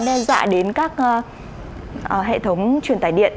nên dọa đến các hệ thống truyền tài điện